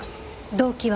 動機は？